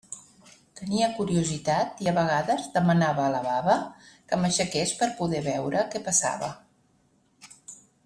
Tenia curiositat, i a vegades demanava a la baba que m'aixequés per a poder veure què passava.